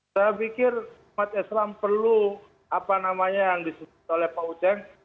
saya pikir umat islam perlu apa namanya yang disebut oleh pak uceng